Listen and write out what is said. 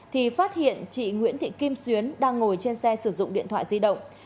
thì phát hiện chị nguyễn thị kim xuyến đang ngồi trên xe sử dụng điện thoại di động